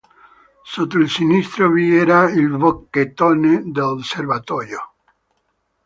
Sotto il sinistro vi era il bocchettone del serbatoio.